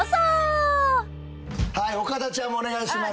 岡田ちゃんもお願いします。